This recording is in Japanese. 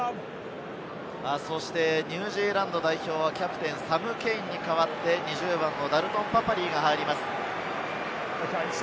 ニュージーランド代表はキャプテン、サム・ケインに代わって２０番のダルトン・パパリイが入ります。